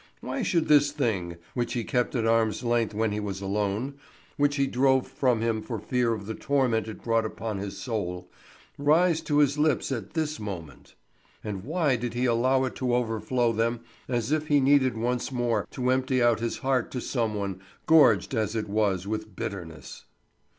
Why should this thing, which he kept at arm's length when he was alone, which he drove from him for fear of the torment it brought upon his soul, rise to his lips at this moment? And why did he allow it to overflow them as if he needed once more to empty out his heart to some one, gorged as it was with bitterness?